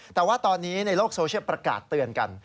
แต่ว่าตอนนี้ในโลกโซเชียลประกาศเตือนกัน